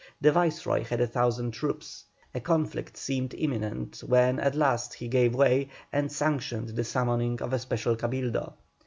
The Viceroy had a thousand troops. A conflict seemed imminent, when at last he gave way, and sanctioned the summoning of a special Cabildo.